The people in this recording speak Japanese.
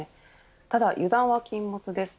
ただ油断は禁物です。